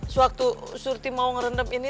sewaktu surti mau ngerendam ini